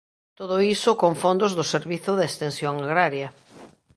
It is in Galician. Todo iso con fondos do servizo de extensión agraria.